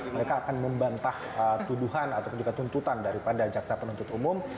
mereka akan membantah tuduhan ataupun juga tuntutan daripada jaksa penuntut umum